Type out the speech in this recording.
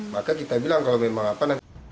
maka kita bilang kalau memang apa nanti